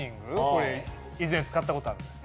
これ以前使ったことあるんです。